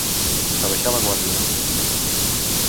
Abaixar la guàrdia.